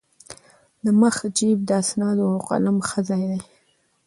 د مخ جېب د اسنادو او قلم ښه ځای دی.